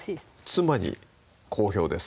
妻に好評です